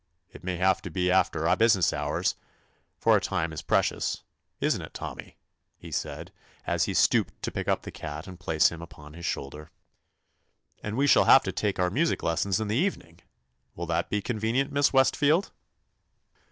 It may have to be after business hours, for our time is precious. Is n't it, Tommy?" he said, as he stooped to pick up the cat and place him upon his shoulder. "And we shall have to take our music lessons in the evening. Will that be convenient, Miss West field?'